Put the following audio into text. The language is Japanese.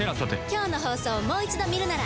今日の放送をもう一度見るなら。